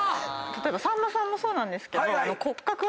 さんまさんもそうなんですけど。